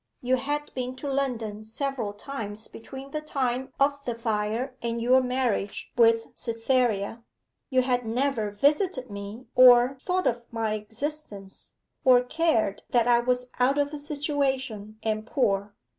You had been to London several times between the time of the fire and your marriage with Cytherea you had never visited me or thought of my existence or cared that I was out of a situation and poor.